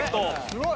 すごい。